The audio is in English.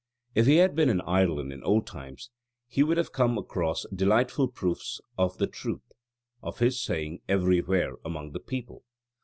If he had been in Ireland in old times, he would have come across delightful proofs of the truth of his saying everywhere among the people.